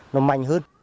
nó mạnh hơn